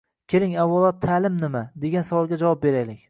Keling, avvalo «ta’lim nima?» degan savolga javob beraylik.